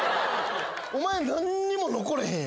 お前何にも残れへんやん。